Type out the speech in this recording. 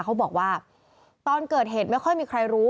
เขาบอกว่าตอนเกิดเหตุไม่ค่อยมีใครรู้